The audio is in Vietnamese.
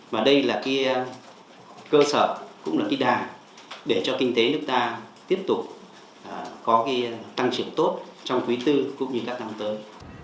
và đây là cơ sở cũng là cái đà để cho kinh tế nước ta tiếp tục có cái tăng trưởng tốt trong quý tư cũng như các năm tới